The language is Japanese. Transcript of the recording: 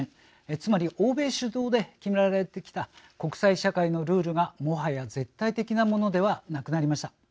つまり欧米主導で決められてきた国際社会のルールが、もはや絶対的なものではなくなりました。